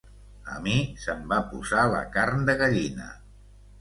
A mi se'm va posar la carn de gallina.